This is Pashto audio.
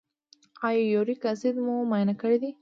ایا یوریک اسید مو معاینه کړی دی؟